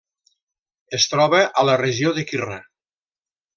Es troba a la regió de Quirra.